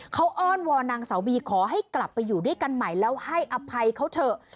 เขาอ้อนวอนนางสาวบีขอให้กลับไปอยู่ด้วยกันใหม่แล้วให้อภัยเขาเถอะ